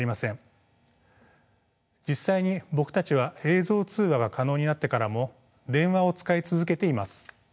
実際に僕たちは映像通話が可能になってからも電話を使い続けています。